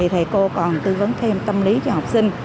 thầy cô còn tư vấn thêm tâm lý cho học sinh